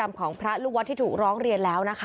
ดูพฤติกรรมของพระลูกวัดที่ถูกร้องเรียนแล้วนะคะ